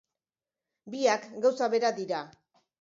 Biak gauza bera dira.